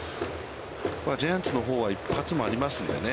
ジャイアンツのほうは一発もありますのでね。